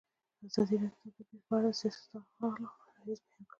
ازادي راډیو د طبیعي پېښې په اړه د سیاستوالو دریځ بیان کړی.